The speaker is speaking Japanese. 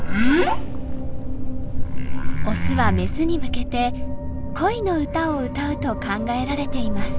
オスはメスに向けて恋の歌を歌うと考えられています。